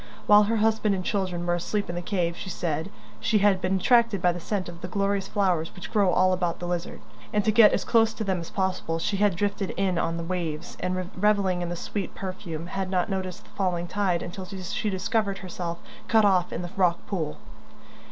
While her husband and children were asleep in the cave, she said, she had been attracted by the scent of the glorious flowers, which grow all about the Lizard, and to get as close to them as possible she had drifted in on the waves, and, revelling in the sweet perfume, had not noticed the falling tide until she discovered herself cut off in the rock pool.